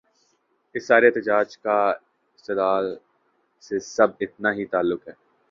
اس سارے احتجاج کا استدلال سے بس اتنا ہی تعلق ہے۔